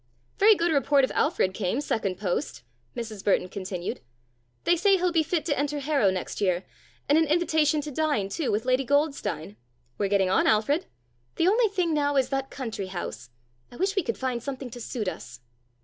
"Very good report of Alfred came second post," Mrs. Burton continued. "They say he'll be fit to enter Harrow next year. And an invitation to dine, too, with Lady Goldstein. We're getting on, Alfred. The only thing now is that country house. I wish we could find something to suit us."